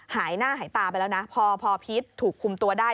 หายหน้าหายตาไปแล้วนะพอพีชถูกคุมตัวได้